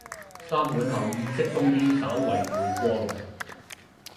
三碗後意識終於稍為回過來